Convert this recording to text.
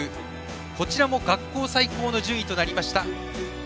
こちらも学校最高の順位となりました。